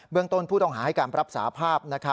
ต้นผู้ต้องหาให้การรับสาภาพ